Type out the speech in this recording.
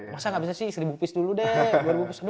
masa gak bisa sih seribu kue dulu deh